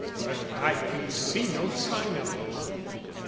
But I can see no sign of it."